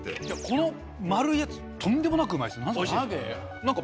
この丸いやつとんでもなくうまいですね何ですか？